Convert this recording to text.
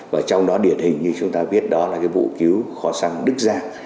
và trong đó điển hình như chúng ta biết đó là cái vụ cứu kho xăng đức giang